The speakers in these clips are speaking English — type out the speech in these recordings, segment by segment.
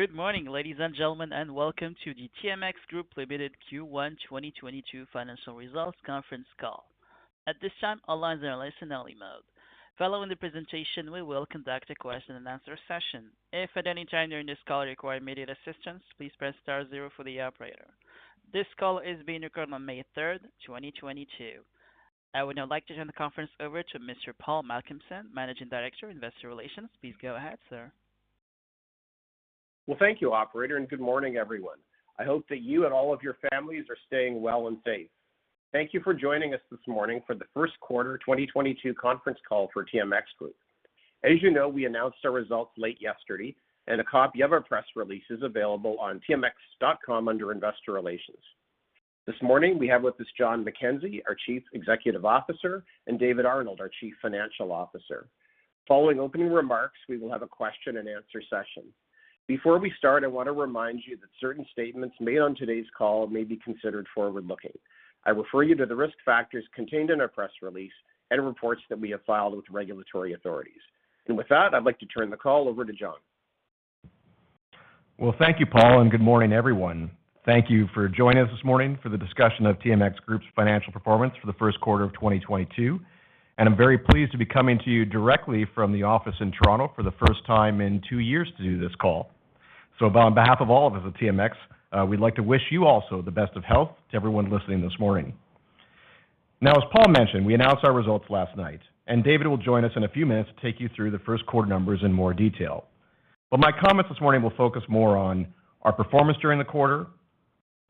Good morning, ladies and gentlemen, and welcome to the TMX Group Limited Q1 2022 financial results conference call. At this time, all lines are in listen-only mode. Following the presentation, we will conduct a Q&A session. If at any time during this call you require immediate assistance, please press star zero for the operator. This call is being recorded on May 3, 2022. I would now like to turn the conference over to Mr. Paul Malcolmson, Managing Director, Investor Relations. Please go ahead, sir. Well, thank you, operator, and good morning, everyone. I hope that you and all of your families are staying well and safe. Thank you for joining us this morning for the Q1 2022 conference call for TMX Group. As you know, we announced our results late yesterday, and a copy of our press release is available on TMX.com under Investor Relations. This morning, we have with us John McKenzie, our Chief Executive Officer, and David Arnold, our Chief Financial Officer. Following opening remarks, we will have a question-and-answer session. Before we start, I want to remind you that certain statements made on today's call may be considered forward-looking. I refer you to the risk factors contained in our press release and reports that we have filed with regulatory authorities. With that, I'd like to turn the call over to John. Well, thank you, Paul, and good morning, everyone. Thank you for joining us this morning for the discussion of TMX Group's financial performance for the Q1 of 2022. I'm very pleased to be coming to you directly from the office in Toronto for the first time in two years to do this call. On behalf of all of us at TMX, we'd like to wish you also the best of health to everyone listening this morning. Now, as Paul mentioned, we announced our results last night, and David will join us in a few minutes to take you through the Q1 numbers in more detail. My comments this morning will focus more on our performance during the quarter,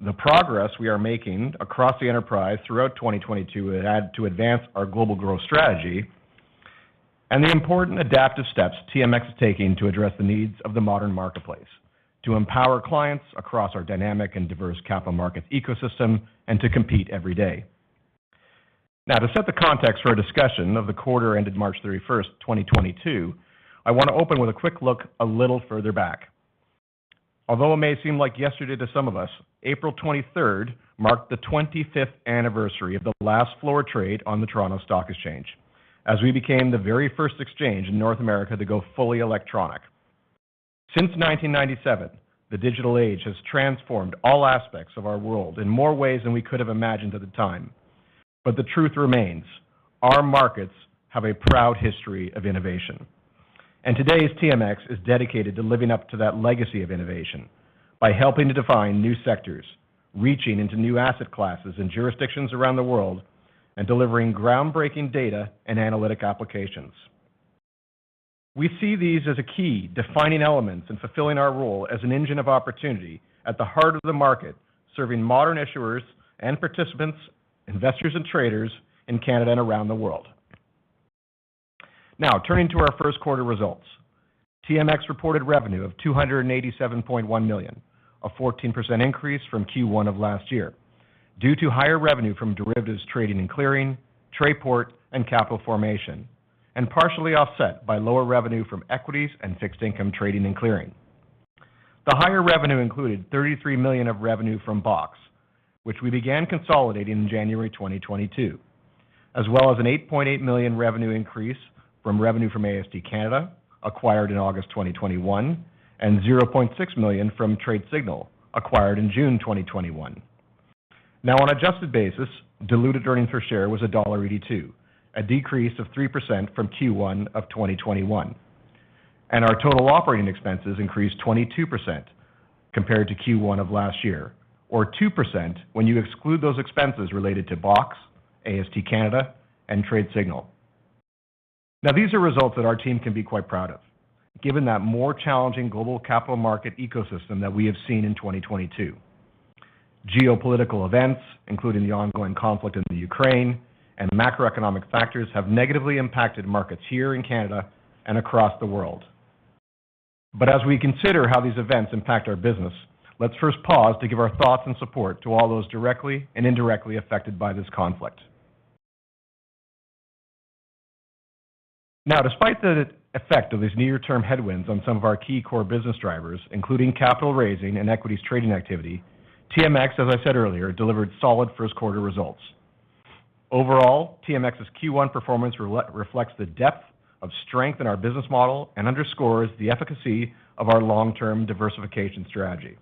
the progress we are making across the enterprise throughout 2022 to advance our global growth strategy, and the important adaptive steps TMX is taking to address the needs of the modern marketplace to empower clients across our dynamic and diverse capital markets ecosystem and to compete every day. Now, to set the context for a discussion of the quarter ended March 31, 2022, I wanna open with a quick look a little further back. Although it may seem like yesterday to some of us, April 23 marked the 25th anniversary of the last floor trade on the Toronto Stock Exchange, as we became the very first exchange in North America to go fully electronic. Since 1997, the digital age has transformed all aspects of our world in more ways than we could have imagined at the time. The truth remains, our markets have a proud history of innovation. Today's TMX is dedicated to living up to that legacy of innovation by helping to define new sectors, reaching into new asset classes and jurisdictions around the world, and delivering groundbreaking data and analytic applications. We see these as a key defining elements in fulfilling our role as an engine of opportunity at the heart of the market, serving modern issuers and participants, investors and traders in Canada and around the world. Now, turning to our Q1 results. TMX reported revenue of 287.1 million, a 14% increase from Q1 of last year, due to higher revenue from derivatives trading and clearing, Trayport, and capital formation, and partially offset by lower revenue from equities and fixed income trading and clearing. The higher revenue included 33 million of revenue from BOX, which we began consolidating in January 2022, as well as an 8.8 million revenue increase from AST Canada, acquired in August 2021, and 0.6 million from TradeSignal, acquired in June 2021. Now, on adjusted basis, diluted earnings per share was CAD 1.82, a decrease of 3% from Q1 of 2021. Our total operating expenses increased 22% compared to Q1 of last year, or 2% when you exclude those expenses related to BOX, AST Canada, and TradeSignal. Now, these are results that our team can be quite proud of, given that more challenging global capital market ecosystem that we have seen in 2022. Geopolitical events, including the ongoing conflict in the Ukraine and macroeconomic factors, have negatively impacted markets here in Canada and across the world. As we consider how these events impact our business, let's first pause to give our thoughts and support to all those directly and indirectly affected by this conflict. Now, despite the effect of these near-term headwinds on some of our key core business drivers, including capital raising and equities trading activity, TMX, as I said earlier, delivered solid Q1 results. Overall, TMX's Q1 performance reflects the depth of strength in our business model and underscores the efficacy of our long-term diversification strategy.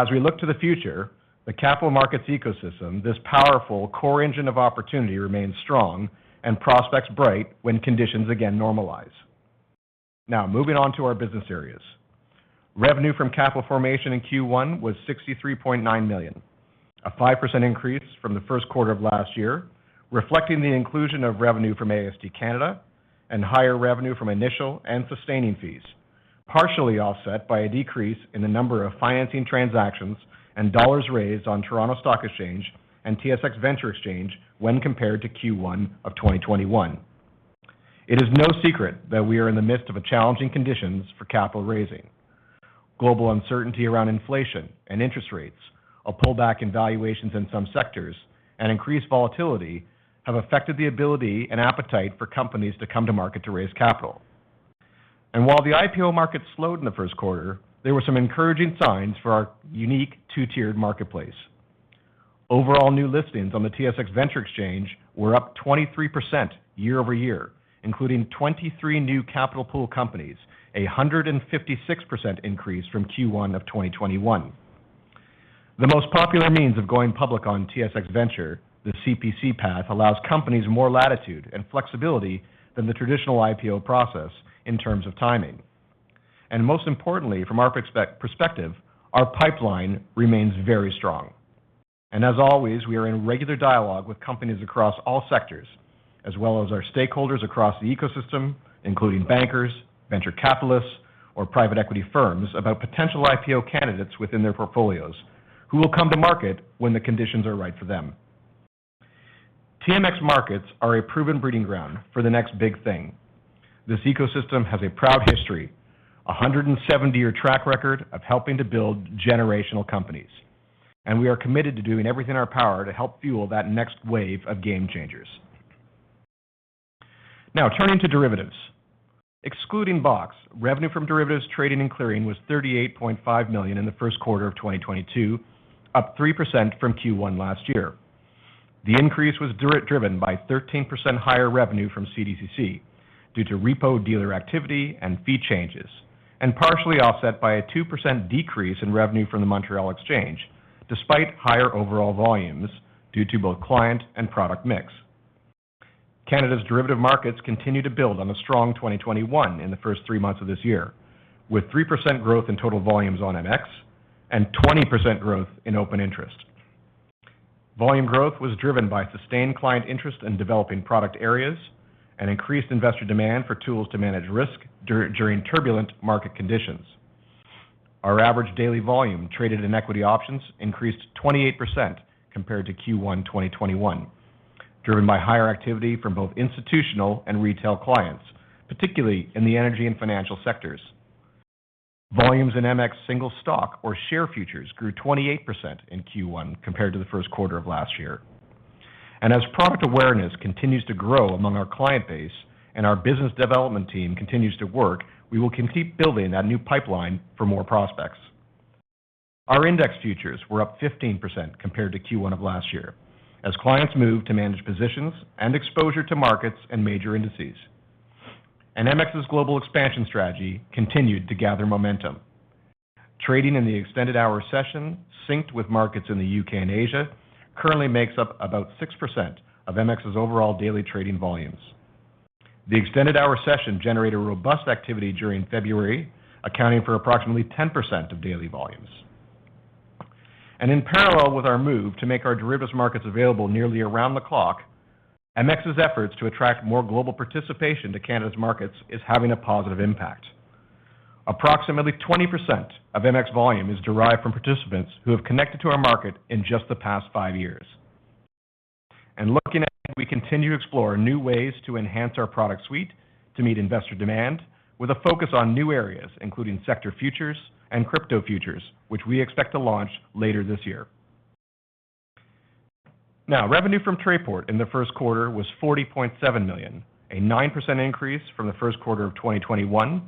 As we look to the future, the capital markets ecosystem, this powerful core engine of opportunity remains strong and prospects bright when conditions again normalize. Now, moving on to our business areas. Revenue from capital formation in Q1 was 63.9 million, a 5% increase from the Q1 of last year, reflecting the inclusion of revenue from AST Canada and higher revenue from initial and sustaining fees, partially offset by a decrease in the number of financing transactions and dollars raised on Toronto Stock Exchange and TSX Venture Exchange when compared to Q1 of 2021. It is no secret that we are in the midst of a challenging conditions for capital raising. Global uncertainty around inflation and interest rates, a pullback in valuations in some sectors, and increased volatility have affected the ability and appetite for companies to come to market to raise capital. While the IPO market slowed in the Q1, there were some encouraging signs for our unique two-tiered marketplace. Overall new listings on the TSX Venture Exchange were up 23% year-over-year, including 23 new capital pool companies, a 156% increase from Q1 of 2021. The most popular means of going public on TSX Venture, the CPC path, allows companies more latitude and flexibility than the traditional IPO process in terms of timing. Most importantly, from our perspective, our pipeline remains very strong. As always, we are in regular dialogue with companies across all sectors, as well as our stakeholders across the ecosystem, including bankers, venture capitalists or private equity firms about potential IPO candidates within their portfolios who will come to market when the conditions are right for them. TMX markets are a proven breeding ground for the next big thing. This ecosystem has a proud history, a 170-year track record of helping to build generational companies, and we are committed to doing everything in our power to help fuel that next wave of game changers. Now turning to derivatives. Excluding BOX, revenue from derivatives trading and clearing was 38.5 million in the Q1 of 2022, up 3% from Q1 last year. The increase was driven by 13% higher revenue from CDCC due to repo dealer activity and fee changes, and partially offset by a 2% decrease in revenue from the Montréal Exchange, despite higher overall volumes due to both client and product mix. Canada's derivative markets continue to build on a strong 2021 in the first 3 months of this year, with 3% growth in total volumes on MX and 20% growth in open interest. Volume growth was driven by sustained client interest in developing product areas and increased investor demand for tools to manage risk during turbulent market conditions. Our average daily volume traded in equity options increased 28% compared to Q1 2021, driven by higher activity from both institutional and retail clients, particularly in the energy and financial sectors. Volumes in MX single stock or share futures grew 28% in Q1 compared to the Q1 of last year. As product awareness continues to grow among our client base and our business development team continues to work, we will keep building that new pipeline for more prospects. Our index futures were up 15% compared to Q1 of last year as clients move to manage positions and exposure to markets and major indices. MX's global expansion strategy continued to gather momentum. Trading in the extended hour session, synced with markets in the U.K. and Asia, currently makes up about 6% of MX's overall daily trading volumes. The extended hour session generated robust activity during February, accounting for approximately 10% of daily volumes. In parallel with our move to make our derivatives markets available nearly around the clock, MX's efforts to attract more global participation to Canada's markets is having a positive impact. Approximately 20% of MX volume is derived from participants who have connected to our market in just the past 5 years. Looking, we continue to explore new ways to enhance our product suite to meet investor demand with a focus on new areas, including sector futures and crypto futures, which we expect to launch later this year. Now, revenue from Trayport in the Q1 was 40.7 million, a 9% increase from the Q1 of 2021,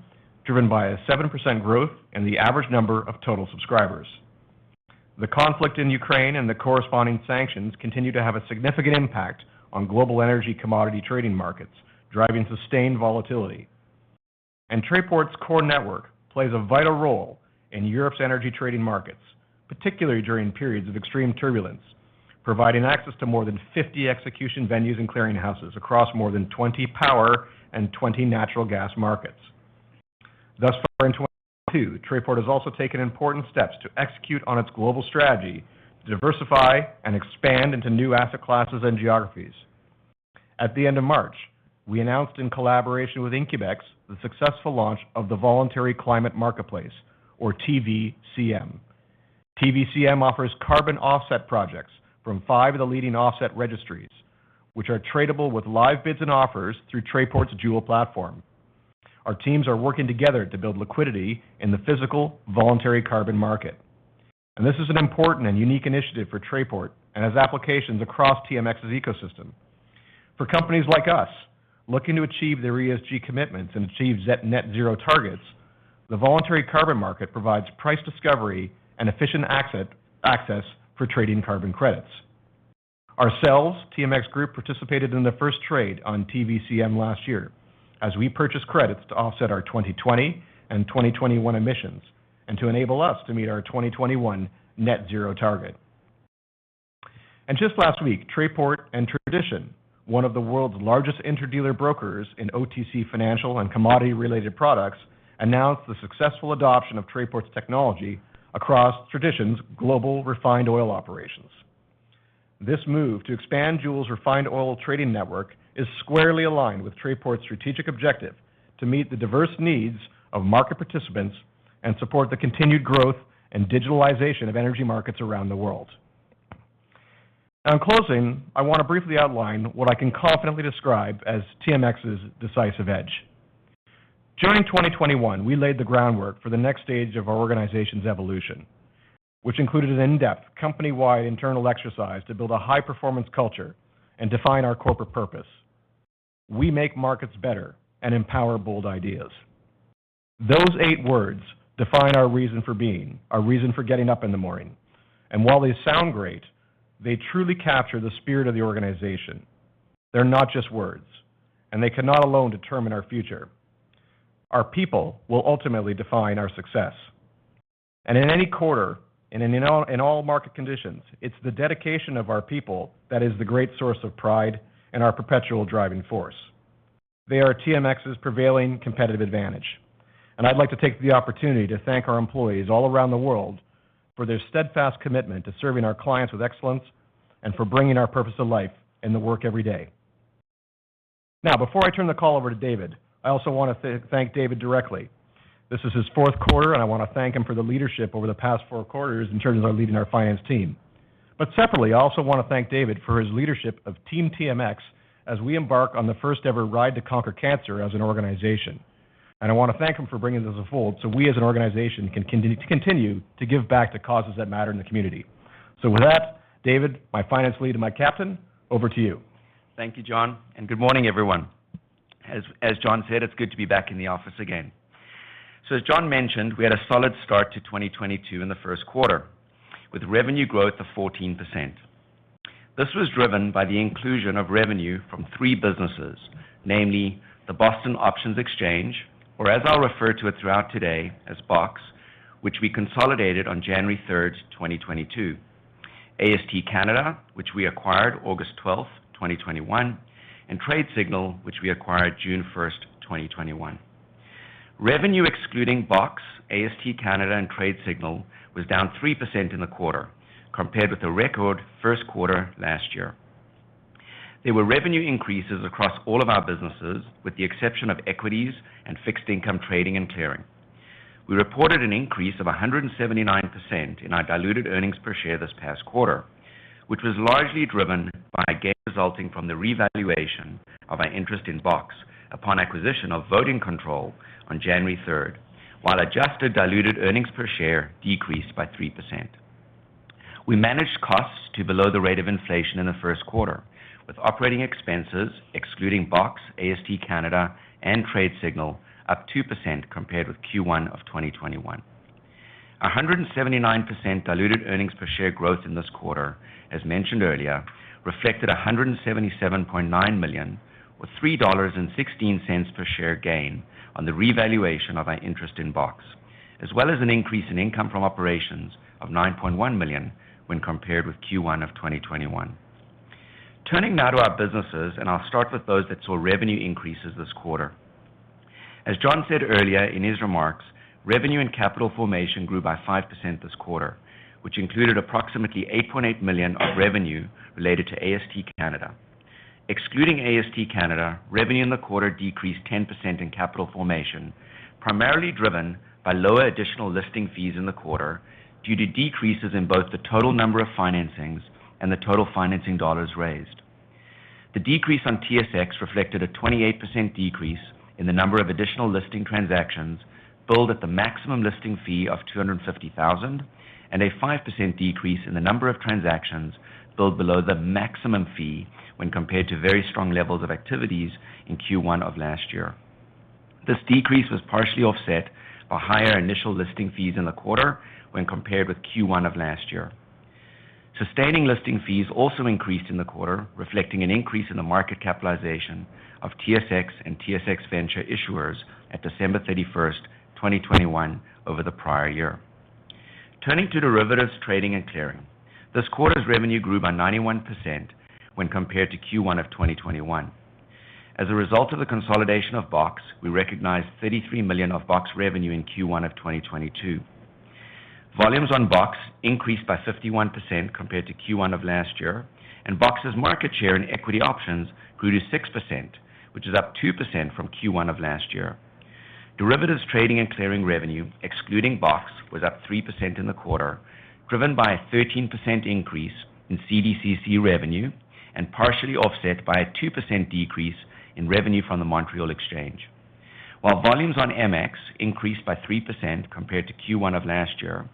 driven by a 7% growth in the average number of total subscribers. The conflict in Ukraine and the corresponding sanctions continue to have a significant impact on global energy commodity trading markets, driving sustained volatility. Trayport's core network plays a vital role in Europe's energy trading markets, particularly during periods of extreme turbulence, providing access to more than 50 execution venues and clearing houses across more than 20 power and 20 natural gas markets. Thus far in 2022, Trayport has also taken important steps to execute on its global strategy to diversify and expand into new asset classes and geographies. At the end of March, we announced in collaboration with IncubEx, the successful launch of the Voluntary Climate Marketplace, or TVCM. TVCM offers carbon offset projects from five of the leading offset registries, which are tradable with live bids and offers through Trayport's Joule platform. Our teams are working together to build liquidity in the physical voluntary carbon market. This is an important and unique initiative for Trayport and has applications across TMX's ecosystem. For companies like us looking to achieve their ESG commitments and achieve net zero targets, the voluntary carbon market provides price discovery and efficient access for trading carbon credits. Ourselves, TMX Group, participated in the first trade on TVCM last year as we purchased credits to offset our 2020 and 2021 emissions and to enable us to meet our 2021 net zero target. Just last week, Trayport and Tradition, one of the world's largest interdealer brokers in OTC financial and commodity-related products, announced the successful adoption of Trayport's technology across Tradition's global refined oil operations. This move to expand Joule's refined oil trading network is squarely aligned with Trayport's strategic objective to meet the diverse needs of market participants and support the continued growth and digitalization of energy markets around the world. Now in closing, I want to briefly outline what I can confidently describe as TMX's decisive edge. During 2021, we laid the groundwork for the next stage of our organization's evolution, which included an in-depth company-wide internal exercise to build a high-performance culture and define our corporate purpose. We make markets better and empower bold ideas. Those eight words define our reason for being, our reason for getting up in the morning. While they sound great, they truly capture the spirit of the organization. They're not just words, and they cannot alone determine our future. Our people will ultimately define our success. In any quarter, in all market conditions, it's the dedication of our people that is the great source of pride and our perpetual driving force. They are TMX's prevailing competitive advantage. I'd like to take the opportunity to thank our employees all around the world for their steadfast commitment to serving our clients with excellence and for bringing our purpose to life in the work every day. Now, before I turn the call over to David, I also want to thank David directly. This is his Q4, and I want to thank him for the leadership over the past four quarters in terms of leading our finance team. Separately, I also want to thank David for his leadership of Team TMX as we embark on the first ever Ride to Conquer Cancer as an organization. I want to thank him for bringing this to the fold, so we as an organization can continue to give back to causes that matter in the community. With that, David, my finance lead and my captain, over to you. Thank you, John, and good morning, everyone. As John said, it's good to be back in the office again. As John mentioned, we had a solid start to 2022 in the Q1 with revenue growth of 14%. This was driven by the inclusion of revenue from three businesses, namely the Boston Options Exchange, or as I'll refer to it throughout today as BOX, which we consolidated on January 3, 2022. AST Canada, which we acquired August 12, 2021, and TradeSignal, which we acquired June 1, 2021. Revenue excluding BOX, AST Canada, and TradeSignal was down 3% in the quarter compared with the record Q1 last year. There were revenue increases across all of our businesses, with the exception of equities and fixed income trading and clearing. We reported an increase of 179% in our diluted earnings per share this past quarter, which was largely driven by a gain resulting from the revaluation of our interest in BOX upon acquisition of voting control on January third, while adjusted diluted earnings per share decreased by 3%. We managed costs to below the rate of inflation in the Q1, with operating expenses excluding BOX, AST Canada, and TradeSignal up 2% compared with Q1 of 2021. 179% diluted earnings per share growth in this quarter, as mentioned earlier, reflected 177.9 million, or 3.16 dollars per share gain on the revaluation of our interest in BOX, as well as an increase in income from operations of 9.1 million when compared with Q1 of 2021. Turning now to our businesses, and I'll start with those that saw revenue increases this quarter. As John said earlier in his remarks, revenue and capital formation grew by 5% this quarter, which included approximately 8.8 million of revenue related to AST Canada. Excluding AST Canada, revenue in the quarter decreased 10% in capital formation, primarily driven by lower additional listing fees in the quarter due to decreases in both the total number of financings and the total financing dollars raised. The decrease on TSX reflected a 28% decrease in the number of additional listing transactions billed at the maximum listing fee of 250,000 and a 5% decrease in the number of transactions billed below the maximum fee when compared to very strong levels of activities in Q1 of last year. This decrease was partially offset by higher initial listing fees in the quarter when compared with Q1 of last year. Sustaining listing fees also increased in the quarter, reflecting an increase in the market capitalization of TSX and TSX Venture issuers at December 31, 2021 over the prior year. Turning to derivatives trading and clearing. This quarter's revenue grew by 91% when compared to Q1 of 2021. As a result of the consolidation of BOX, we recognized 33 million of BOX revenue in Q1 of 2022. Volumes on BOX increased by 51% compared to Q1 of last year, and BOX's market share in equity options grew to 6%, which is up 2% from Q1 of last year. Derivatives trading and clearing revenue, excluding BOX, was up 3% in the quarter, driven by a 13% increase in CDCC revenue and partially offset by a 2% decrease in revenue from the Montréal Exchange. While volumes on MX increased by 3% compared to Q1 of last year,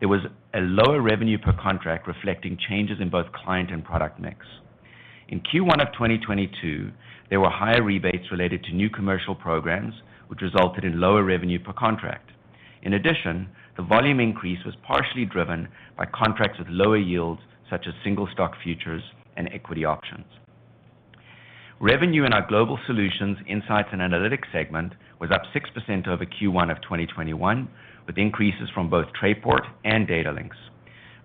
there was a lower revenue per contract reflecting changes in both client and product mix. In Q1 of 2022, there were higher rebates related to new commercial programs, which resulted in lower revenue per contract. In addition, the volume increase was partially driven by contracts with lower yields, such as single stock futures and equity options. Revenue in our Global Solutions, Insights and Analytics segment was up 6% over Q1 of 2021, with increases from both Trayport and Datalinx.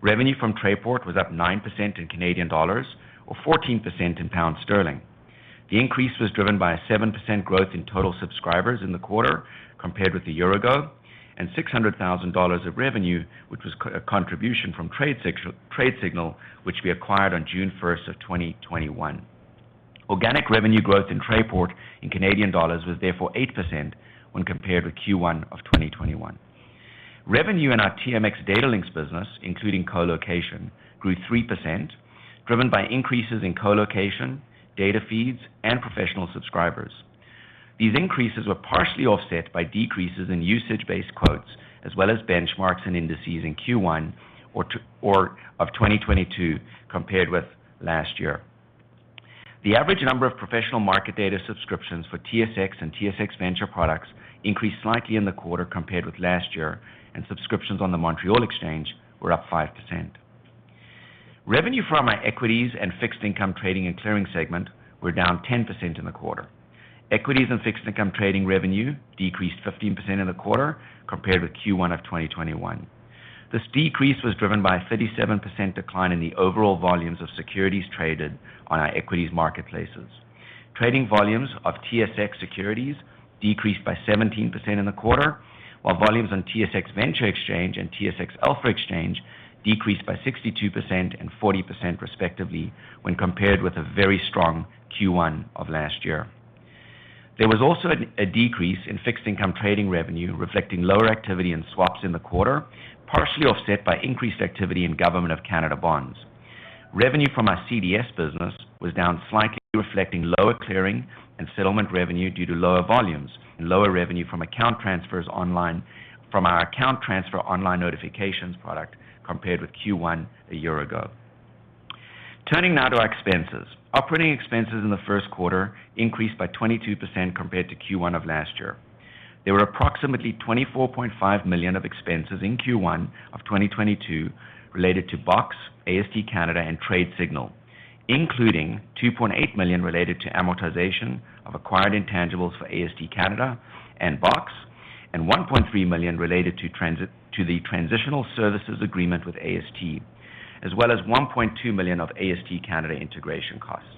Revenue from Trayport was up 9% in Canadian dollars or 14% in pound sterling. The increase was driven by a 7% growth in total subscribers in the quarter compared with a year ago, and 600 thousand dollars of revenue, which was a contribution from TradeSignal, which we acquired on June 1 of 2021. Organic revenue growth in Trayport in Canadian dollars was therefore 8% when compared with Q1 of 2021. Revenue in our TMX Datalinx business, including colocation, grew 3%, driven by increases in colocation, data feeds, and professional subscribers. These increases were partially offset by decreases in usage-based quotes as well as benchmarks and indices in Q1 of 2022 compared with last year. The average number of professional market data subscriptions for TSX and TSX Venture products increased slightly in the quarter compared with last year, and subscriptions on the Montréal Exchange were up 5%. Revenue from our equities and fixed income trading and clearing segment were down 10% in the quarter. Equities and fixed income trading revenue decreased 15% in the quarter compared with Q1 of 2021. This decrease was driven by a 37% decline in the overall volumes of securities traded on our equities marketplaces. Trading volumes of TSX securities decreased by 17% in the quarter, while volumes on TSX Venture Exchange and TSX Alpha Exchange decreased by 62% and 40% respectively when compared with a very strong Q1 of last year. There was also a decrease in fixed income trading revenue reflecting lower activity in swaps in the quarter, partially offset by increased activity in Government of Canada bonds. Revenue from our CDS business was down slightly, reflecting lower clearing and settlement revenue due to lower volumes and lower revenue from our account transfer online notifications product compared with Q1 a year ago. Turning now to our expenses. Operating expenses in the Q1 increased by 22% compared to Q1 of last year. There were approximately 24.5 million of expenses in Q1 of 2022 related to BOX, AST Canada, and TradeSignal, including 2.8 million related to amortization of acquired intangibles for AST Canada and BOX, and 1.3 million related to transition to the transitional services agreement with AST, as well as 1.2 million of AST Canada integration costs.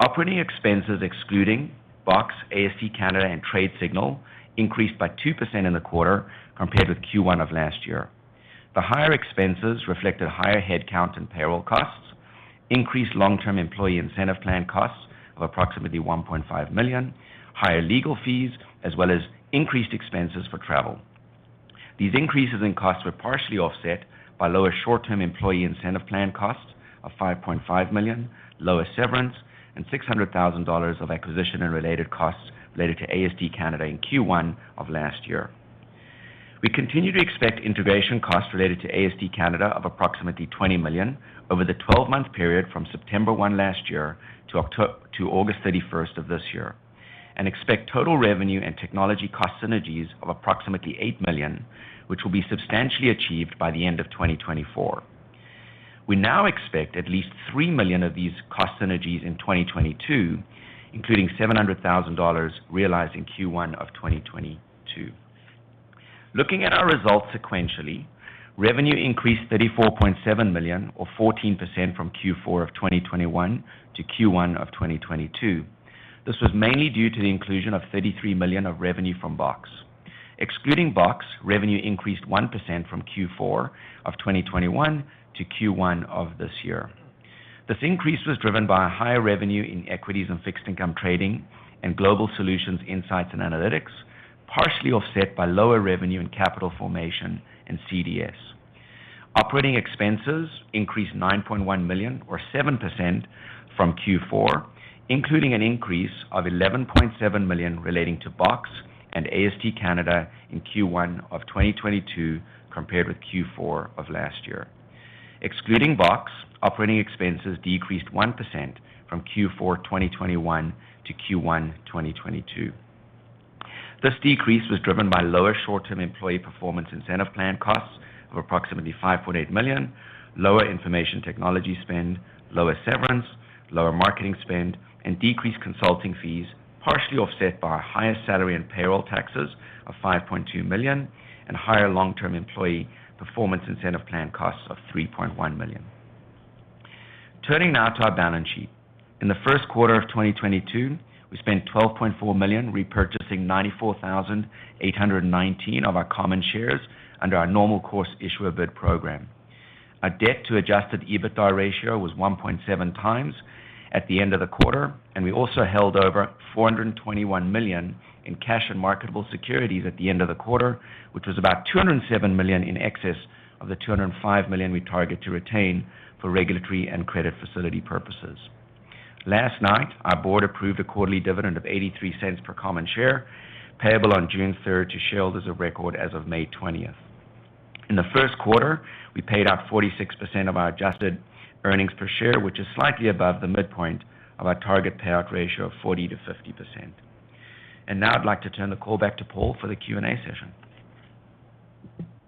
Operating expenses excluding BOX, AST Canada, and TradeSignal increased by 2% in the quarter compared with Q1 of last year. The higher expenses reflected higher headcounts and payroll costs, increased long-term employee incentive plan costs of approximately 1.5 million, higher legal fees, as well as increased expenses for travel. These increases in costs were partially offset by lower short-term employee incentive plan costs of 5.5 million, lower severance, and 600 thousand dollars of acquisition and related costs related to AST Canada in Q1 of last year. We continue to expect integration costs related to AST Canada of approximately 20 million over the twelve-month period from September 1 last year to August 31 of this year. Expect total revenue and technology cost synergies of approximately 8 million, which will be substantially achieved by the end of 2024. We now expect at least 3 million of these cost synergies in 2022, including 700 thousand dollars realized in Q1 of 2022. Looking at our results sequentially, revenue increased 34.7 million or 14% from Q4 of 2021 to Q1 of 2022. This was mainly due to the inclusion of 33 million of revenue from BOX. Excluding BOX, revenue increased 1% from Q4 of 2021 to Q1 of this year. This increase was driven by a higher revenue in equities and fixed income trading and Global Solutions, Insights and Analytics, partially offset by lower revenue in capital formation and CDS. Operating expenses increased 9.1 million or 7% from Q4, including an increase of 11.7 million relating to BOX and AST Canada in Q1 of 2022 compared with Q4 of last year. Excluding BOX, operating expenses decreased 1% from Q4 2021 to Q1 2022. This decrease was driven by lower short-term employee performance incentive plan costs of approximately 5.8 million, lower information technology spend, lower severance, lower marketing spend, and decreased consulting fees, partially offset by higher salary and payroll taxes of 5.2 million, and higher long-term employee performance incentive plan costs of 3.1 million. Turning now to our balance sheet. In the Q1 of 2022, we spent 12.4 million repurchasing 94,819 of our common shares under our Normal Course Issuer Bid program. Our debt to adjusted EBITDA ratio was 1.7x at the end of the quarter, and we also held over 421 million in cash and marketable securities at the end of the quarter, which was about 207 million in excess of the 205 million we target to retain for regulatory and credit facility purposes. Last night, our board approved a quarterly dividend of 0.83 per common share, payable on June third to shareholders of record as of May twentieth. In the Q1, we paid out 46% of our adjusted earnings per share, which is slightly above the midpoint of our target payout ratio of 40% to 50%. Now I'd like to turn the call back to Paul for the Q&A session.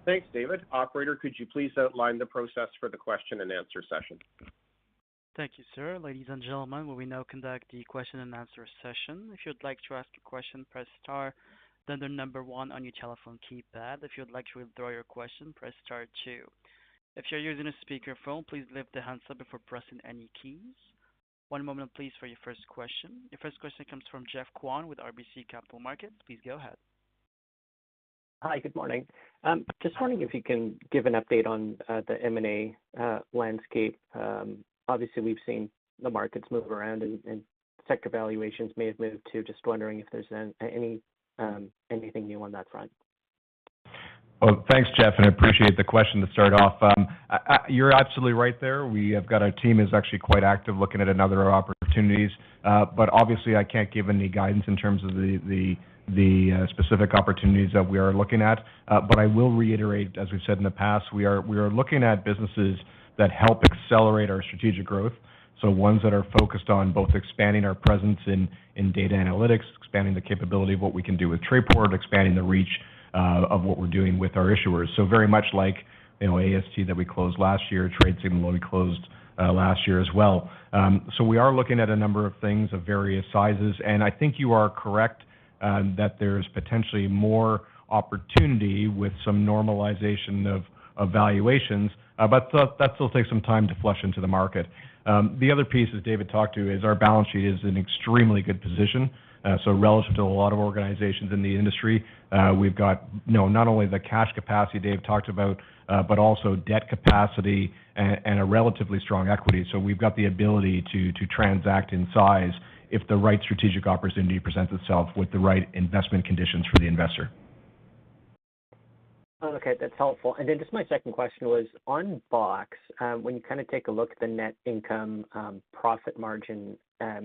Thanks, David. Operator, could you please outline the process for the Q&A session? Thank you, sir. Ladies and gentlemen, we will now conduct the Q&A. If you'd like to ask a question, press star, then the number one on your telephone keypad. If you'd like to withdraw your question, press star two. If you're using a speakerphone, please lift the handset before pressing any keys. One moment please for your first question. Your first question comes from Geoff Kwan with RBC Capital Markets. Please go ahead. Hi, good morning. Just wondering if you can give an update on the M&A landscape. Obviously, we've seen the markets move around and sector valuations may have moved too. Just wondering if there's anything new on that front. Well, thanks, Geoff, and I appreciate the question to start off. You're absolutely right there. We have got our team is actually quite active looking at other opportunities. Obviously I can't give any guidance in terms of the specific opportunities that we are looking at. I will reiterate, as we've said in the past, we are looking at businesses that help accelerate our strategic growth. Ones that are focused on both expanding our presence in data analytics, expanding the capability of what we can do with Trayport, expanding the reach of what we're doing with our issuers. Very much like, you know, AST that we closed last year, TradeSignal we closed last year as well. We are looking at a number of things of various sizes. I think you are correct that there's potentially more opportunity with some normalization of valuations. That still takes some time to flush into the market. The other piece, as David talked about, is our balance sheet is in extremely good position. So relative to a lot of organizations in the industry, we've got, you know, not only the cash capacity Dave talked about, but also debt capacity and a relatively strong equity. So we've got the ability to transact in size if the right strategic opportunity presents itself with the right investment conditions for the investor. Okay. That's helpful. Then just my second question was on BOX, when you kind of take a look at the net income, profit margin, I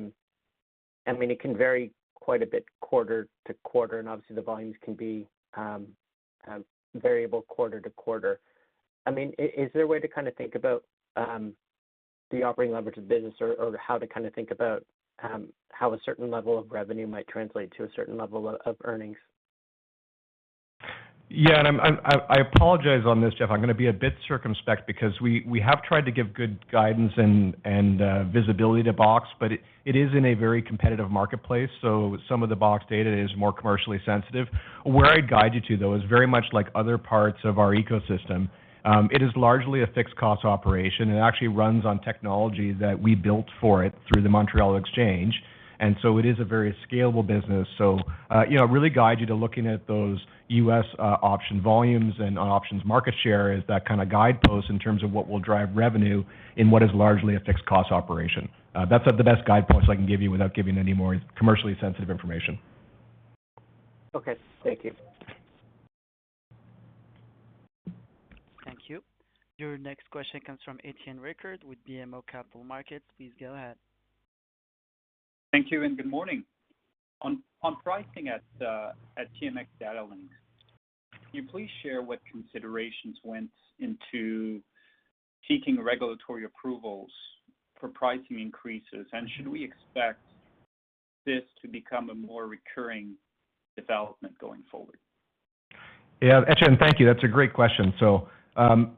mean, it can vary quite a bit quarter to quarter, and obviously the volumes can be variable quarter to quarter. I mean, is there a way to kind of think about the operating leverage of business or how to kind of think about how a certain level of revenue might translate to a certain level of earnings? Yeah. I apologize on this, Geoff. I'm gonna be a bit circumspect because we have tried to give good guidance and visibility to BOX, but it is in a very competitive marketplace, so some of the BOX data is more commercially sensitive. Where I'd guide you to though, is very much like other parts of our ecosystem. It is largely a fixed cost operation. It actually runs on technology that we built for it through the Montréal Exchange. It is a very scalable business. You know, really guide you to looking at those U.S. option volumes and on options market share is that kind of guidepost in terms of what will drive revenue in what is largely a fixed cost operation. That's the best guidepost I can give you without giving any more commercially sensitive information. Okay. Thank you. Thank you. Your next question comes from Étienne Ricard with BMO Capital Markets. Please go ahead. Thank you, and good morning. On pricing at TMX Datalinx, can you please share what considerations went into seeking regulatory approvals for pricing increases? Should we expect this to become a more recurring development going forward? Yeah. Étienne, thank you. That's a great question.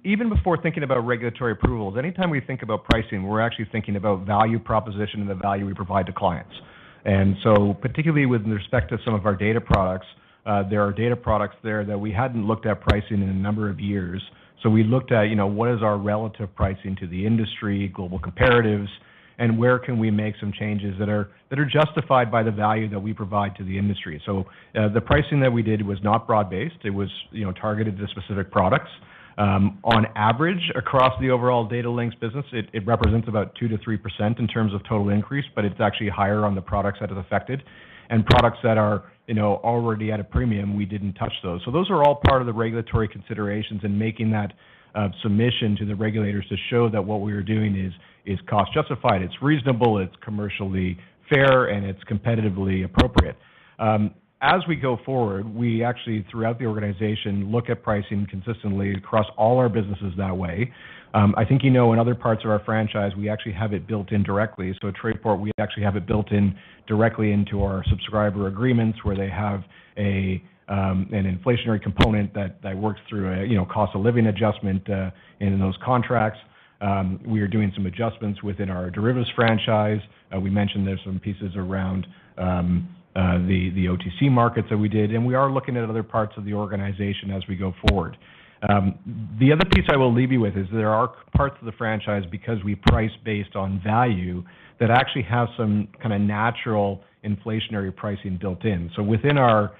Even before thinking about regulatory approvals, anytime we think about pricing, we're actually thinking about value proposition and the value we provide to clients. Particularly with respect to some of our data products, there are data products there that we hadn't looked at pricing in a number of years. We looked at, you know, what is our relative pricing to the industry, global comparatives, and where can we make some changes that are justified by the value that we provide to the industry. The pricing that we did was not broad-based. It was, you know, targeted to specific products. On average, across the overall Datalinx business, it represents about 2% to 3% in terms of total increase, but it's actually higher on the products that it affected. Products that are, you know, already at a premium, we didn't touch those. Those are all part of the regulatory considerations in making that submission to the regulators to show that what we are doing is cost justified, it's reasonable, it's commercially fair, and it's competitively appropriate. As we go forward, we actually, throughout the organization, look at pricing consistently across all our businesses that way. I think you know, in other parts of our franchise, we actually have it built in directly. At Trayport, we actually have it built in directly into our subscriber agreements, where they have a an inflationary component that works through a, you know, cost of living adjustment in those contracts. We are doing some adjustments within our derivatives franchise. We mentioned there's some pieces around the OTC markets that we did, and we are looking at other parts of the organization as we go forward. The other piece I will leave you with is there are parts of the franchise because we price based on value that actually have some kind of natural inflationary pricing built in. Within our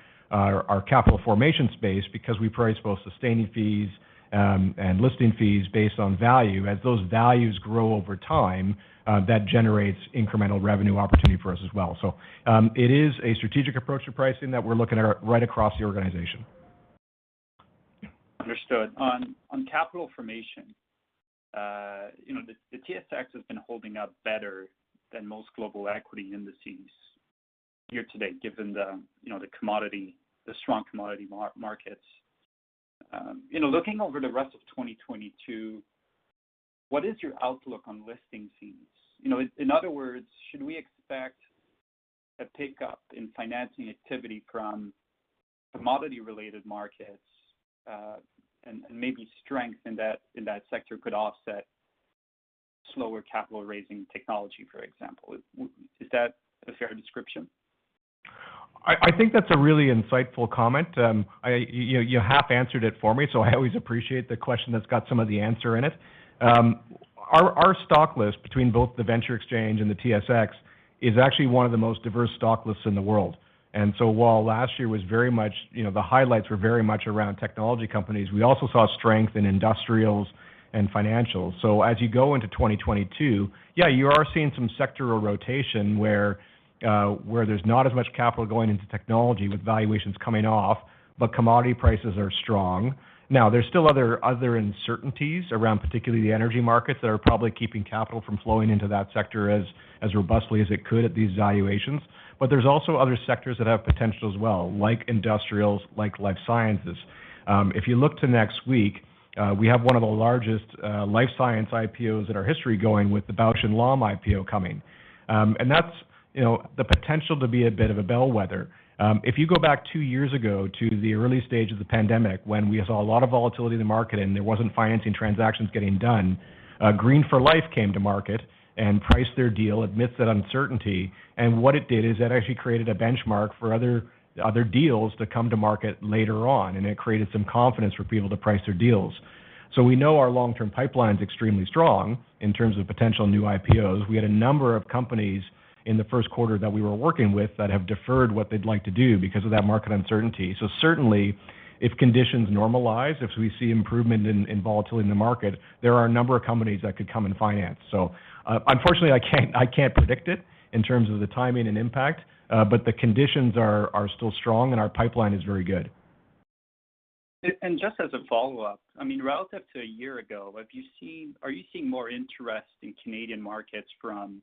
capital formation space, because we price both sustaining fees and listing fees based on value, as those values grow over time, that generates incremental revenue opportunity for us as well. It is a strategic approach to pricing that we're looking at right across the organization. Understood. On capital formation, you know, the TSX has been holding up better than most global equity indices year to date, given you know the strong commodity markets. You know, looking over the rest of 2022, what is your outlook on listing fees? You know, in other words, should we expect a pickup in financing activity from commodity-related markets, and maybe strength in that sector could offset slower capital raising technology, for example? Is that a fair description? I think that's a really insightful comment. You half answered it for me, so I always appreciate the question that's got some of the answer in it. Our stock list between both the Venture Exchange and the TSX is actually one of the most diverse stock lists in the world. While last year was very much, you know, the highlights were very much around technology companies, we also saw strength in industrials and financials. As you go into 2022, yeah, you are seeing some sectoral rotation where there's not as much capital going into technology with valuations coming off, but commodity prices are strong. There's still other uncertainties around particularly the energy markets that are probably keeping capital from flowing into that sector as robustly as it could at these valuations. There's also other sectors that have potential as well, like industrials, like life sciences. If you look to next week, we have one of the largest life science IPOs in our history going with the Bausch + Lomb IPO coming. That's, you know, the potential to be a bit of a bellwether. If you go back two years ago to the early stage of the pandemic when we saw a lot of volatility in the market and there wasn't financing transactions getting done, Green for Life came to market and priced their deal amidst that uncertainty. What it did is that actually created a benchmark for other deals to come to market later on, and it created some confidence for people to price their deals. We know our long-term pipeline's extremely strong in terms of potential new IPOs. We had a number of companies in the Q1 that we were working with that have deferred what they'd like to do because of that market uncertainty. Certainly, if conditions normalize, if we see improvement in volatility in the market, there are a number of companies that could come and finance. Unfortunately, I can't predict it in terms of the timing and impact, but the conditions are still strong and our pipeline is very good. Just as a follow-up, I mean, relative to a year ago, are you seeing more interest in Canadian markets from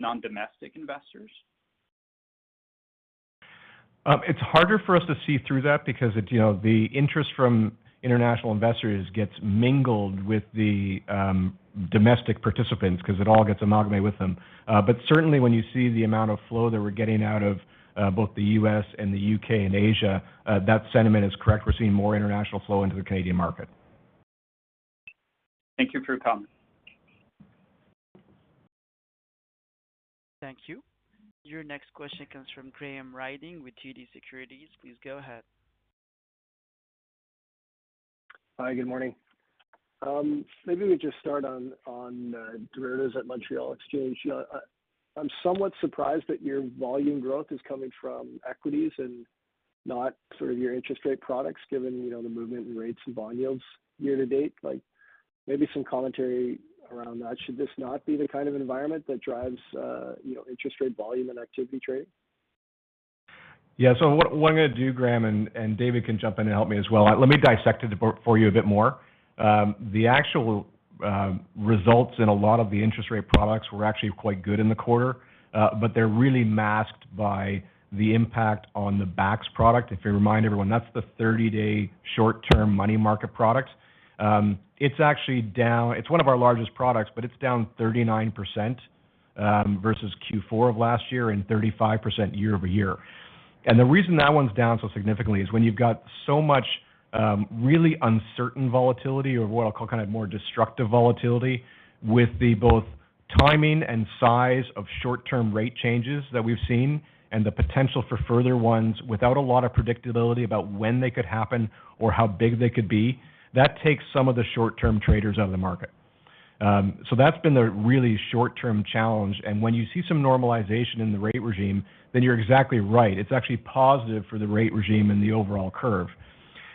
non-domestic investors? It's harder for us to see through that because it, you know, the interest from international investors gets mingled with the, domestic participants 'cause it all gets amalgamated with them. Certainly, when you see the amount of flow that we're getting out of, both the U.S. and the U.K. and Asia, that sentiment is correct. We're seeing more international flow into the Canadian market. Thank you for your comment. Thank you. Your next question comes from Graham Ryding with TD Securities. Please go ahead. Hi, good morning. Maybe we just start on derivatives at Montréal Exchange. You know, I'm somewhat surprised that your volume growth is coming from equities and not sort of your interest rate products, given, you know, the movement in rates and bond yields year to date. Like, maybe some commentary around that. Should this not be the kind of environment that drives, you know, interest rate volume and activity trade? What I'm gonna do, Graham, and David can jump in and help me as well. Let me dissect it for you a bit more. The actual results in a lot of the interest rate products were actually quite good in the quarter, but they're really masked by the impact on the BAX product. If I remind everyone, that's the 30-day short-term money market product. It's actually down. It's one of our largest products, but it's down 39% versus Q4 of last year and 35% year-over-year. The reason that one's down so significantly is when you've got so much, really uncertain volatility or what I'll call kind of more destructive volatility with both the timing and size of short-term rate changes that we've seen and the potential for further ones without a lot of predictability about when they could happen or how big they could be, that takes some of the short-term traders out of the market. That's been the really short-term challenge. When you see some normalization in the rate regime, then you're exactly right. It's actually positive for the rate regime and the overall curve.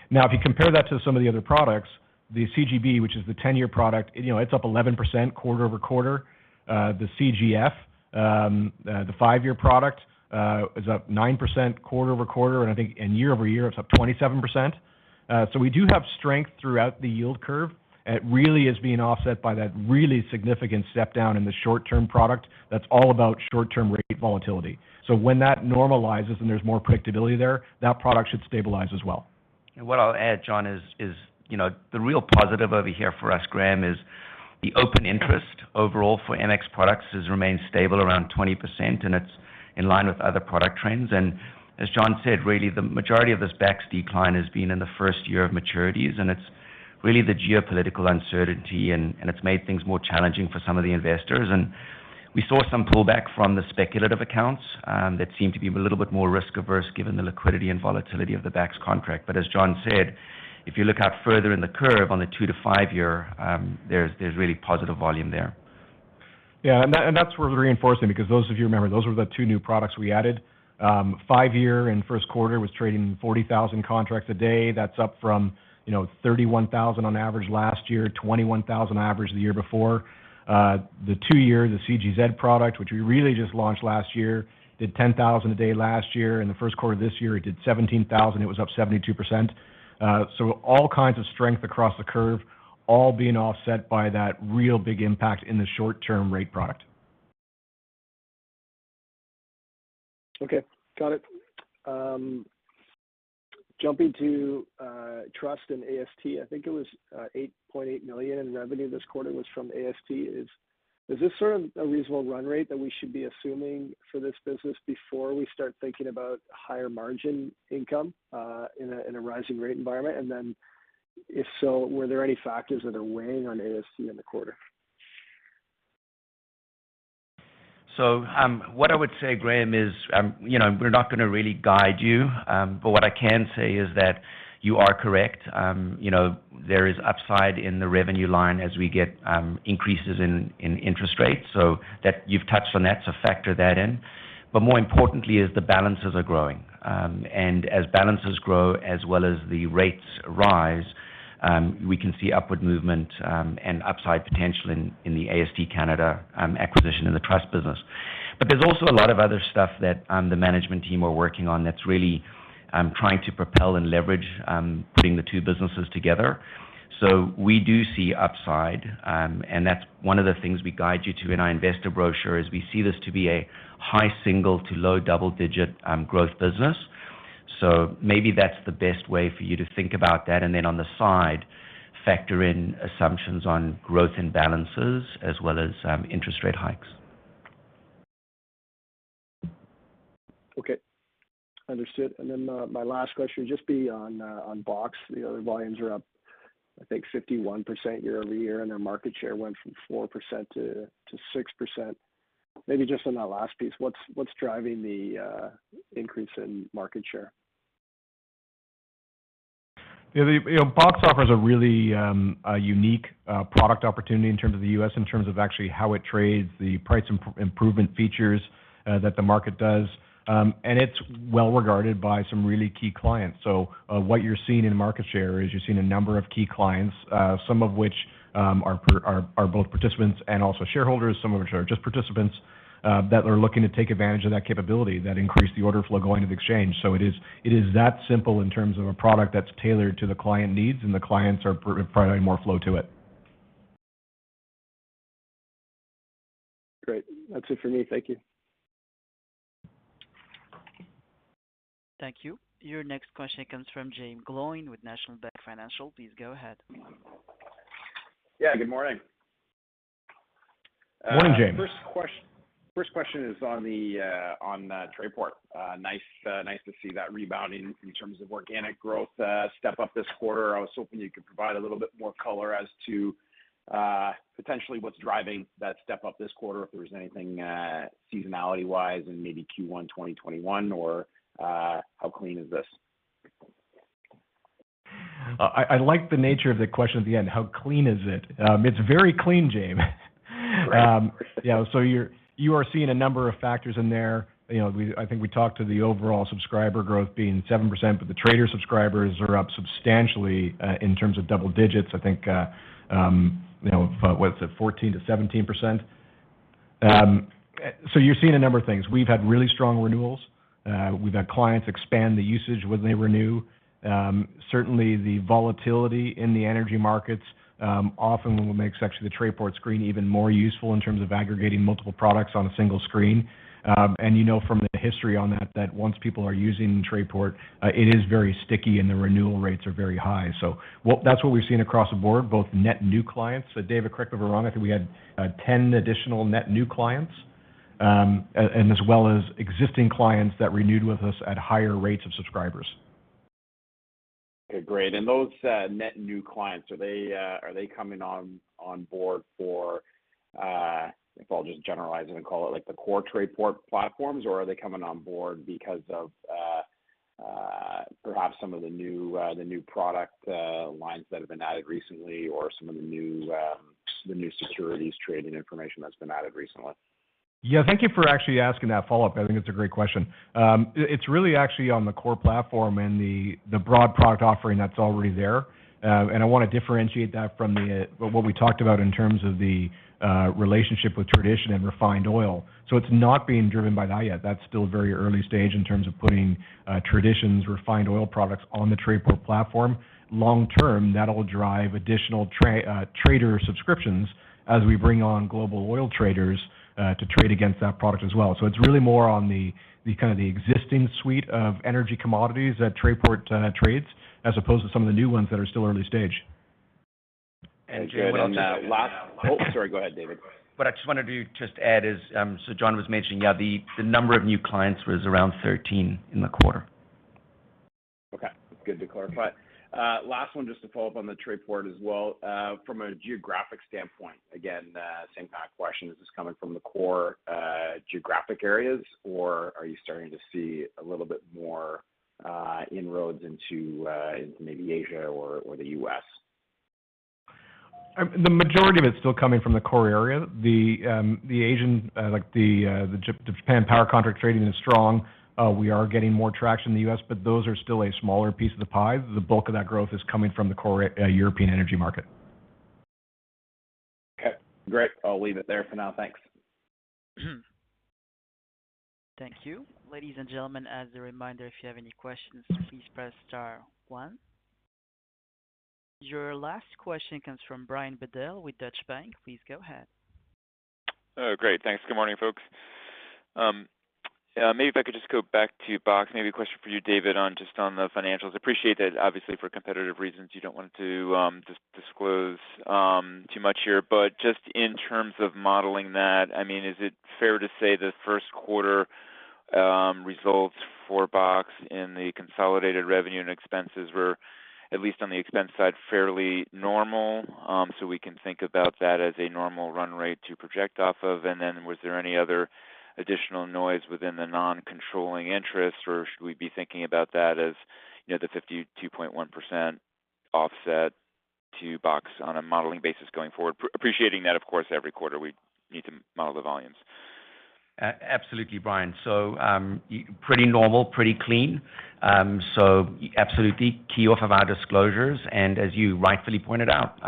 Now, if you compare that to some of the other products, the CGB, which is the 10-year product, you know, it's up 11% quarter-over-quarter. The CGF, the five-year product, is up 9% quarter-over-quarter. I think year-over-year, it's up 27%. We do have strength throughout the yield curve. It really is being offset by that really significant step down in the short-term product that's all about short-term rate volatility. When that normalizes and there's more predictability there, that product should stabilize as well. What I'll add, John, is, you know, the real positive over here for us, Graham, is the open interest overall for MX products has remained stable around 20%, and it's in line with other product trends. As John said, really, the majority of this BAX decline has been in the first year of maturities, and it's really the geopolitical uncertainty and it's made things more challenging for some of the investors. We saw some pullback from the speculative accounts that seem to be a little bit more risk-averse given the liquidity and volatility of the BAX contract. But as John said, if you look out further in the curve on the 2- to 5-year, there's really positive volume there. That's worth reinforcing because those of you remember, those were the two new products we added. Five-year in Q1 was trading 40,000 contracts a day. That's up from, you know, 31,000 on average last year, 21,000 average the year before. The two-year, the CGZ product, which we really just launched last year, did 10,000 a day last year. In the Q1 this year, it did 17,000. It was up 72%. So all kinds of strength across the curve, all being offset by that real big impact in the short-term rate product. Okay. Got it. Jumping to trust in AST, I think it was 8.8 million in revenue this quarter was from AST. Is this sort of a reasonable run rate that we should be assuming for this business before we start thinking about higher margin income in a rising rate environment? Then if so, were there any factors that are weighing on AST in the quarter? What I would say, Graham, is, you know, we're not gonna really guide you. What I can say is that you are correct. You know, there is upside in the revenue line as we get increases in interest rates. That you've touched on that, so factor that in. More importantly is the balances are growing. As balances grow as well as the rates rise, we can see upward movement, and upside potential in the AST Canada acquisition in the trust business. There's also a lot of other stuff that the management team are working on that's really trying to propel and leverage putting the two businesses together. We do see upside, and that's one of the things we guide you to in our investor brochure, is we see this to be a high single-digit- to low double-digit growth business. Maybe that's the best way for you to think about that, and then on the side, factor in assumptions on growth and balances as well as interest rate hikes. Okay. Understood. Then my last question, just on BOX. The other volumes are up, I think 51% year-over-year, and their market share went from 4% to 6%. Maybe just on that last piece, what's driving the increase in market share? You know, BOX offers a really unique product opportunity in terms of the U.S., in terms of actually how it trades, the price improvement features that the market does. It's well regarded by some really key clients. What you're seeing in market share is you're seeing a number of key clients, some of which are both participants and also shareholders, some of which are just participants, that are looking to take advantage of that capability that increase the order flow going to the exchange. It is that simple in terms of a product that's tailored to the client needs, and the clients are providing more flow to it. Great. That's it for me. Thank you. Thank you. Your next question comes from Jaeme Gloyn with National Bank Financial. Please go ahead. Yeah, good morning. Morning, Jaeme. First question is on the Trayport. Nice to see that rebounding in terms of organic growth, step up this quarter. I was hoping you could provide a little bit more color as to potentially what's driving that step up this quarter, if there was anything seasonality-wise in maybe Q1 2021, or how clean is this? I like the nature of the question at the end, how clean is it? It's very clean, Jaeme. Great. You are seeing a number of factors in there. You know, I think we talked to the overall subscriber growth being 7%, but the trader subscribers are up substantially in terms of double digits. I think you know, what is it? 14% to 17%. You are seeing a number of things. We have had really strong renewals. We have had clients expand the usage when they renew. Certainly the volatility in the energy markets often what makes actually the Trayport screen even more useful in terms of aggregating multiple products on a single screen. You know from the history on that once people are using Trayport, it is very sticky and the renewal rates are very high. That is what we have seen across the board, both net new clients. David, correct me if I'm wrong. I think we had 10 additional net new clients, and as well as existing clients that renewed with us at higher rates of subscribers. Okay, great. Those net new clients, are they coming on board for, if I'll just generalize it and call it like the core Trayport platforms, or are they coming on board because of perhaps some of the new product lines that have been added recently or some of the new securities trading information that's been added recently? Yeah, thank you for actually asking that follow-up. I think it's a great question. It's really actually on the core platform and the broad product offering that's already there. I wanna differentiate that from the what we talked about in terms of the relationship with Tradition and refined oil. It's not being driven by that yet. That's still very early stage in terms of putting Tradition's refined oil products on the Trayport platform. Long term, that'll drive additional trader subscriptions as we bring on global oil traders to trade against that product as well. It's really more on the kind of the existing suite of energy commodities that Trayport trades as opposed to some of the new ones that are still early stage. Oh, sorry, go ahead, David. What I just wanted to just add is, so John was mentioning, yeah, the number of new clients was around 13 in the quarter. Okay. Good to clarify. Last one just to follow up on the Trayport as well. From a geographic standpoint, again, same kind of question, is this coming from the core geographic areas, or are you starting to see a little bit more inroads into maybe Asia or the U.S.? The majority of it's still coming from the core area. The Asian, like the Japan power contract trading is strong. We are getting more traction in the US, but those are still a smaller piece of the pie. The bulk of that growth is coming from the core European energy market. Okay, great. I'll leave it there for now. Thanks. Thank you. Ladies and gentlemen, as a reminder, if you have any questions, please press star one. Your last question comes from Brian Bedell with Deutsche Bank. Please go ahead. Oh, great. Thanks. Good morning, folks. Maybe if I could just go back to Box, maybe a question for you, David, on the financials. Appreciate that obviously for competitive reasons, you don't want to disclose too much here. But just in terms of modeling that, I mean, is it fair to say the Q1 results for Box in the consolidated revenue and expenses were at least on the expense side, fairly normal? So we can think about that as a normal run rate to project off of. Then was there any other additional noise within the non-controlling interest, or should we be thinking about that as, you know, the 52.1% offset to Box on a modeling basis going forward? Appreciating that, of course, every quarter we need to model the volumes. Absolutely, Brian. Pretty normal, pretty clean. Absolutely key off of our disclosures, and as you rightfully pointed out,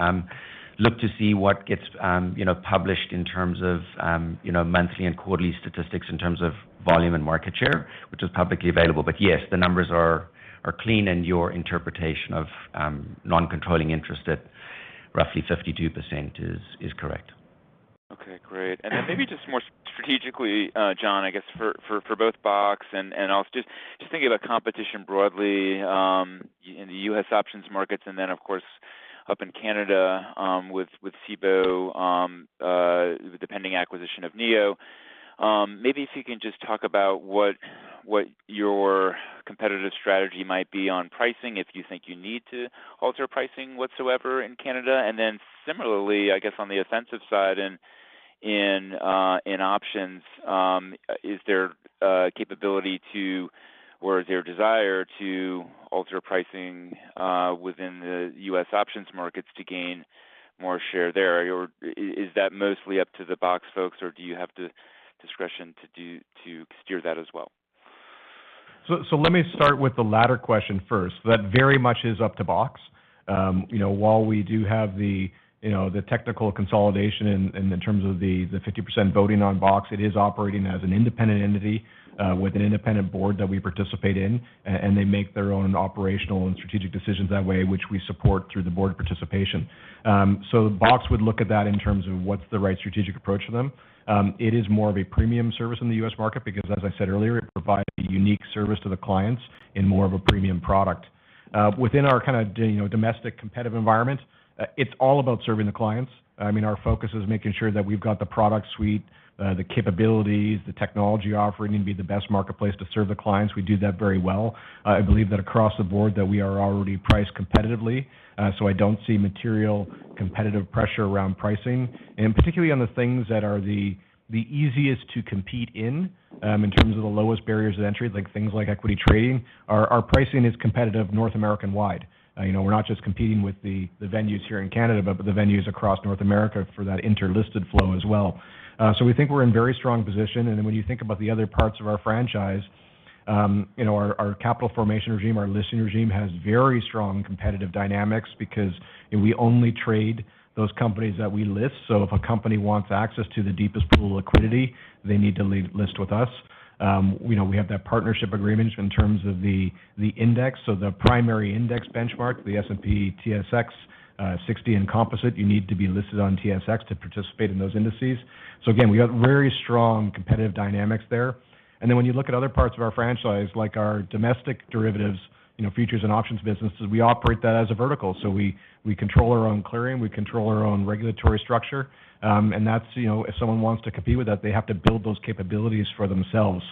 look to see what gets, you know, published in terms of, you know, monthly and quarterly statistics in terms of volume and market share, which is publicly available. Yes, the numbers are clean and your interpretation of non-controlling interest at Roughly 52% is correct. Okay, great. Then maybe just more strategically, John, I guess for both BOX and also just thinking about competition broadly, in the U.S. options markets and then, of course, up in Canada, with Cboe, the pending acquisition of NEO. Maybe if you can just talk about what your competitive strategy might be on pricing, if you think you need to alter pricing whatsoever in Canada. Then similarly, I guess on the offensive side in options, is there capability or is there desire to alter pricing within the U.S. options markets to gain more share there? Or is that mostly up to the BOX folks, or do you have the discretion to steer that as well? Let me start with the latter question first. That very much is up to BOX. You know, while we do have the technical consolidation in terms of the 50% voting on BOX, it is operating as an independent entity with an independent board that we participate in, and they make their own operational and strategic decisions that way, which we support through the board participation. BOX would look at that in terms of what's the right strategic approach for them. It is more of a premium service in the U.S. market because as I said earlier, it provides a unique service to the clients in more of a premium product. Within our kind of, you know, domestic competitive environment, it's all about serving the clients. I mean, our focus is making sure that we've got the product suite, the capabilities, the technology offering to be the best marketplace to serve the clients. We do that very well. I believe that across the board we are already priced competitively, so I don't see material competitive pressure around pricing. Particularly on the things that are the easiest to compete in terms of the lowest barriers of entry, like things like equity trading, our pricing is competitive North American wide. You know, we're not just competing with the venues here in Canada, but the venues across North America for that interlisted flow as well. So we think we're in very strong position. When you think about the other parts of our franchise, you know, our capital formation regime, our listing regime has very strong competitive dynamics because we only trade those companies that we list. If a company wants access to the deepest pool of liquidity, they need to list with us. You know, we have that partnership agreement in terms of the index. The primary index benchmark, the S&P/TSX 60 and Composite, you need to be listed on TSX to participate in those indices. Again, we got very strong competitive dynamics there. When you look at other parts of our franchise, like our domestic derivatives, you know, futures and options businesses, we operate that as a vertical. We control our own clearing, we control our own regulatory structure. That's, you know, if someone wants to compete with that, they have to build those capabilities for themselves.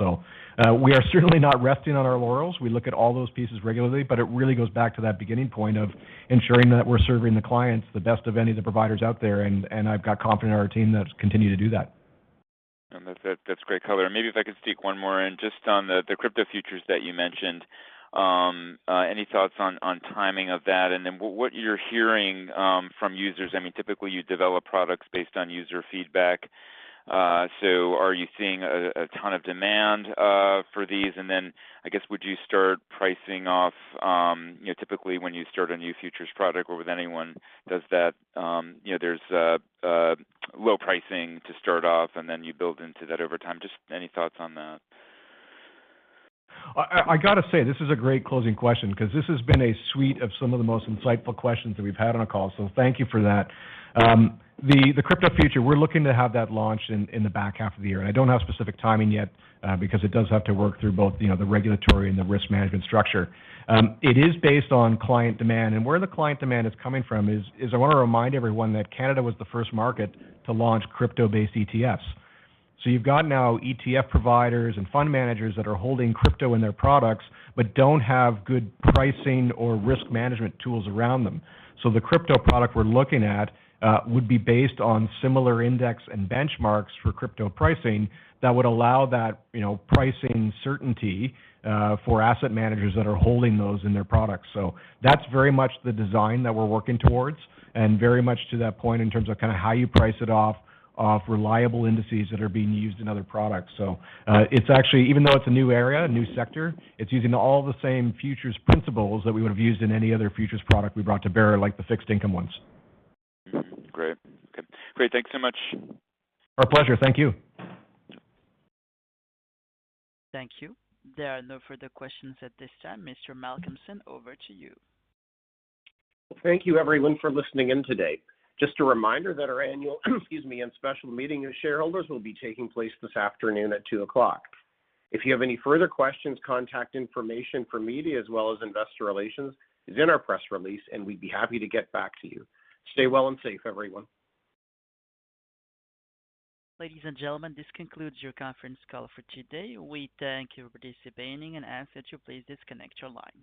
We are certainly not resting on our laurels. We look at all those pieces regularly, but it really goes back to that beginning point of ensuring that we're serving the clients the best of any of the providers out there, and I've got confidence in our team that continue to do that. That's great color. Maybe if I could sneak one more in just on the crypto futures that you mentioned. Any thoughts on timing of that? What you're hearing from users, I mean, typically you develop products based on user feedback. So are you seeing a ton of demand for these? I guess, would you start pricing off, you know, typically when you start a new futures product or with anyone, does that, you know, there's low pricing to start off, and then you build into that over time. Just any thoughts on that? I gotta say, this is a great closing question because this has been a suite of some of the most insightful questions that we've had on a call. Thank you for that. The crypto future, we're looking to have that launched in the back half of the year. I don't have specific timing yet, because it does have to work through both, you know, the regulatory and the risk management structure. It is based on client demand, and where the client demand is coming from is I want to remind everyone that Canada was the first market to launch crypto-based ETFs. You've got now ETF providers and fund managers that are holding crypto in their products, but don't have good pricing or risk management tools around them. The crypto product we're looking at would be based on similar indices and benchmarks for crypto pricing that would allow that, you know, pricing certainty for asset managers that are holding those in their products. That's very much the design that we're working towards, and very much to that point in terms of kind of how you price it off of reliable indices that are being used in other products. It's actually, even though it's a new area, a new sector, it's using all the same futures principles that we would have used in any other futures product we brought to bear, like the fixed income ones. Great. Okay. Great. Thanks so much. Our pleasure. Thank you. Thank you. There are no further questions at this time. Mr. Malcolmson, over to you. Thank you everyone for listening in today. Just a reminder that our annual and special meeting of shareholders will be taking place this afternoon at 2:00 P.M. If you have any further questions, contact information for media as well as investor relations is in our press release, and we'd be happy to get back to you. Stay well and safe, everyone. Ladies and gentlemen, this concludes your conference call for today. We thank you for participating and ask that you please disconnect your line.